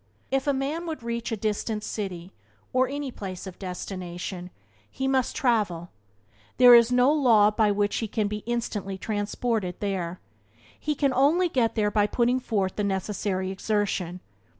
If a man would reach a distant city, or any place of destination, he must travel thither. There is no law by which he can be instantly transported there. He can only get there by putting forth the necessary exertion.